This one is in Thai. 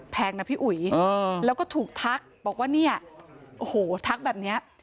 แพงนะพี่อุ๋ยแล้วก็ถูกทักบอกว่าเนี่ยโอ้โหทักแบบนี้